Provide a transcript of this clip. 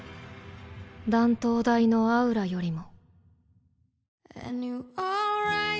断頭台のアウラよりも。